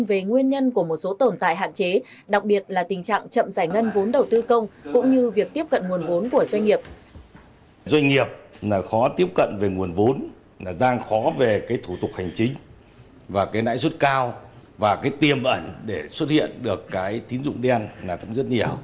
về nguyên nhân của một số tổn tại hạn chế đặc biệt là tình trạng chậm giải ngân vốn đầu tư công